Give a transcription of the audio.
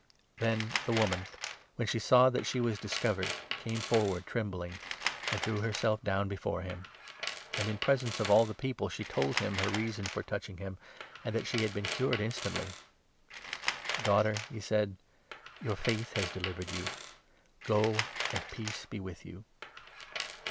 Then the woman, when she saw that she was discovered, came 47 forward trembling, and threw herself down before him ; and, in presence of all the people, she told him her reason for touch ing him, and that she had been cured instantly. "Daughter," he said, "your faith has delivered you. Go, 48 and peace be with you."